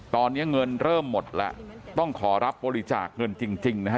ตอนนี้เงินเริ่มหมดแล้วต้องขอรับบริจาคเงินจริงนะฮะ